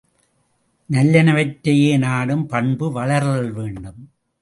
நல்லனவற்றையே நாடும் பண்பு வளர்தல் வேண்டும்.